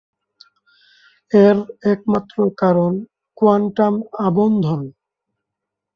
এর একমাত্র কারণ কোয়ান্টাম আবন্ধন।